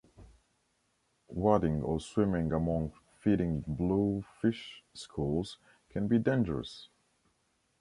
Wading or swimming among feeding bluefish schools can be dangerous.